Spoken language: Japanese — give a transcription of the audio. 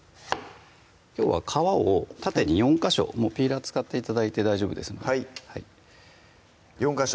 きょうは皮を縦に４ヵ所ピーラー使って頂いて大丈夫ですので４ヵ所？